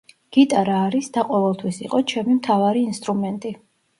გიტარა არის, და ყოველთვის იყო, ჩემი მთავარი ინსტრუმენტი.